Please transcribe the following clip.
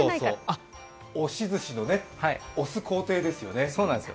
あ、押しずしのね、押す工程よね。